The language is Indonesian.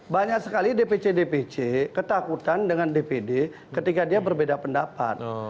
banyak sekali dpc dpc ketakutan dengan dpd ketika dia berbeda pendapat